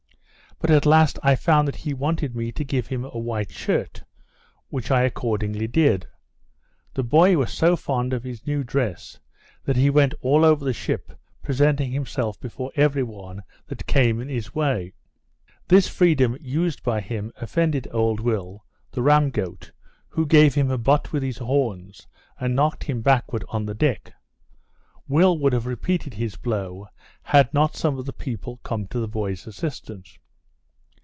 But at last I found that he wanted me to give him a white shirt, which I accordingly did. The boy was so fond of his new dress, that he went all over the ship, presenting himself before every one that came in his way. This freedom used by him offended Old Will, the ram goat, who gave him a butt with his horns, and knocked him backward on the deck. Will would have repeated his blow, had not some of the people come to the boy's assistance.